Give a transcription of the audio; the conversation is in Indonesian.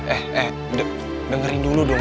eh eh dengerin dulu dong